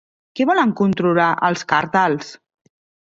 Què volen controlar els càrtels?